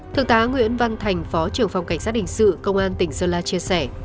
thượng tá nguyễn văn thành phó trưởng phòng cảnh sát hình sự công an tỉnh sơn la chia sẻ